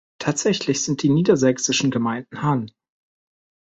Tatsächlich sind die niedersächsischen Gemeinden Hann.